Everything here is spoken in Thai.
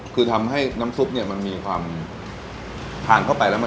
คือทำให้น้ำซุปเนี่ยมันมีความทานเข้าไปแล้ว